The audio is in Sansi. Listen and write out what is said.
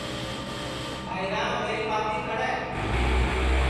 ٻائیراں میری پاتی کڑے